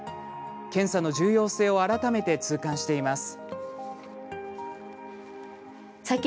検査の重要性を改めて痛感しています。